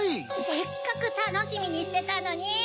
せっかくたのしみにしてたのに！